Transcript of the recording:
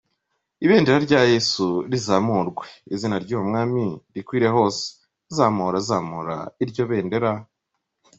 "Ibendera rya Yesu rizamurwe izina ry’uwo mwami rikwire hose, zamura zamura iryo bendera.